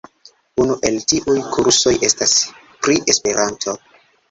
Unu el tiuj kursoj estas pri Esperanto.